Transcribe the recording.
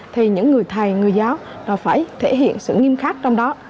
thì những người thầy người giáo phải thể hiện sự nghiêm khắc trong đó